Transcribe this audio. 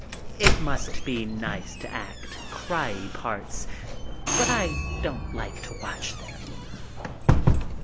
It must be nice to act 'cryie' parts, but I don't like to watch them."